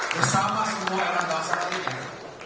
bersama semua orang bahasa indonesia